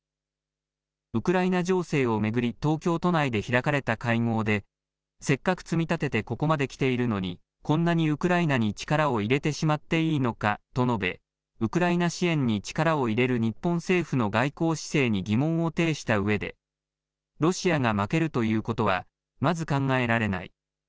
ウクライナ情勢を巡り、東京都内で開かれた会合で、せっかく積み立ててここまできているのに、こんなにウクライナに力を入れてしまっていいのかと述べ、ウクライナ支援に力を入れる日本政府の外交姿勢に疑問を呈したうえで、ロシアが負けるということは、まず考えられない。